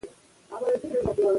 سیاسي مشارکت ټولنه متحد ساتي